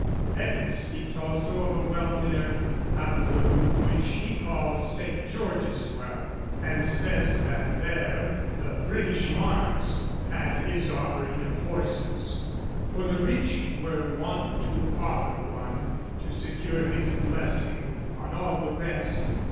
Pennant speaks also of a well near Abergeleu, which he calls St. George's well, and says that there the British Mars had his offering of horses; 'for the rich were wont to offer one, to secure his blessing on all the rest.